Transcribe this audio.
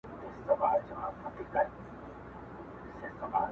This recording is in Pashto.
که محشر نه دی نو څه دی؛